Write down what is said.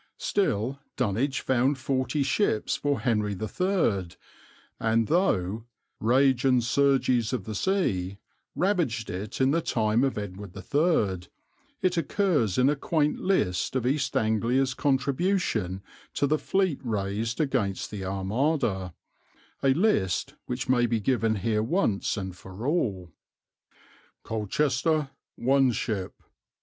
Still Dunwich found forty ships for Henry III, and though "rage and surgies of the sea" ravaged it in the time of Edward III, it occurs in a quaint list of East Anglia's contribution to the fleet raised against the Armada, a list which may be given here once and for all: Colchester, 1 shippe.